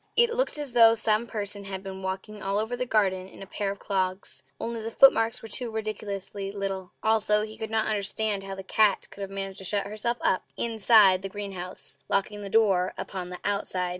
It looked as though some person had been walking all over the garden in a pair of clogs only the footmarks were too ridiculously little! Also he could not understand how the cat could have managed to shut herself up INSIDE the greenhouse, locking the door upon the OUTSIDE.